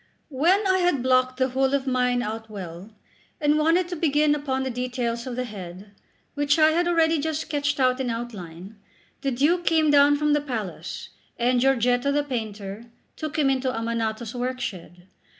2 When I had blocked the whole of mine out well, and wanted to begin upon the details of the head, which I had already just sketched out in outline, the Duke came down from the palace, and Giorgetto, the painter, took him into Ammanato's workshed.